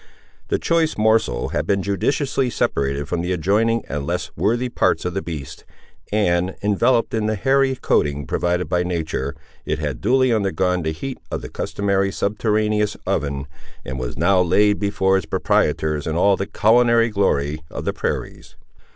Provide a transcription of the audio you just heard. The choice morsel had been judiciously separated from the adjoining and less worthy parts of the beast, and, enveloped in the hairy coating provided by nature, it had duly undergone the heat of the customary subterraneous oven, and was now laid before its proprietors in all the culinary glory of the prairies.